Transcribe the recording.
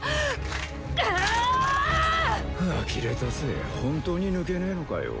あきれたぜ本当に抜けねえのかよ。